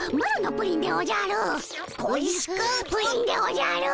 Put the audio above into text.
プリンでおじゃる！